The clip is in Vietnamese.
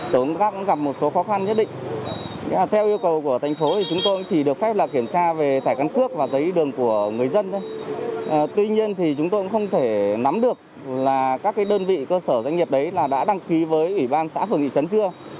tuy nhiên thì chúng tôi cũng không thể nắm được là các đơn vị cơ sở doanh nghiệp đấy đã đăng ký với ủy ban xã phường thị trấn chưa